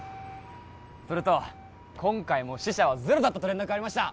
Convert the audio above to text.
それと今回も死者はゼロだったと連絡ありました